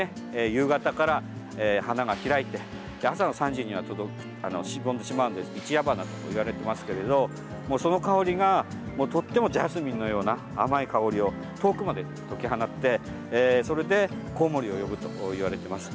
夕方から花が開いて朝の３時には、あのしぼんでしまうので一夜花といわれてますけれどもその香りがとってもジャスミンのような甘い香りを遠くまで解き放ってそれでコウモリを呼ぶといわれています。